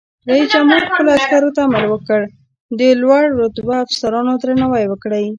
رئیس جمهور خپلو عسکرو ته امر وکړ؛ د لوړ رتبه افسرانو درناوی وکړئ!